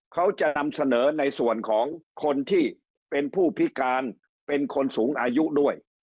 เขาจะนำเสนอในส่วนของคนที่เป็นผู้พิการเป็นคนสูงอายุด้วย